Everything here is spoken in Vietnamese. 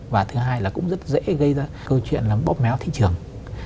và thứ hai là cũng rất dễ gây ra câu chuyện là bóp méo thị trường